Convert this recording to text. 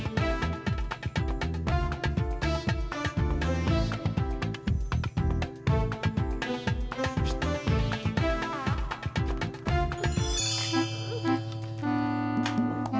ubinom itu keluarga